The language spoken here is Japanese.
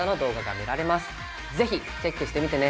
ぜひチェックしてみてね！